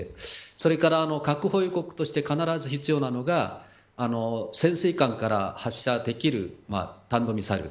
それから核保有国として必ず必要なのが潜水艦から発射できる弾道ミサイル。